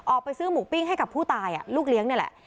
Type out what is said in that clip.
ออกไปซื้อหมูปิ้งให้กับผู้ตายลูกเลี้ยงนี่แหละ